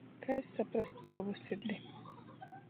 Kai saprast sovu sirdi?